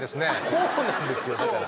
こうなんですよだから。